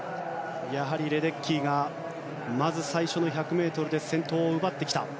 やはりレデッキーがまず最初の１００ｍで先頭を奪ってきた。